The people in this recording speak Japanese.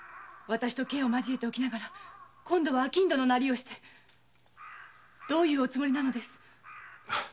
私と剣を交えておきながら今度は商人のナリをしてどういうおつもりなのです？